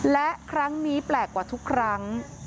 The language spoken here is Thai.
และครั้งนี้แปลกกว่าทุกครั้ง